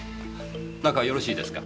中よろしいですか？